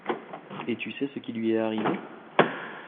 Et tu sais ce qu’il lui est arrivé?